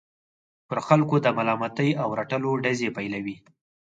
پر خلکو د ملامتۍ او رټلو ډزې پيلوي.